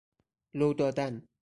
لودادن